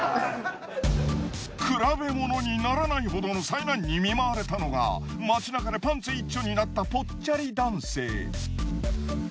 比べものにならないほどの災難に見舞われたのが街なかでパンツ一丁になったポッチャリ男性。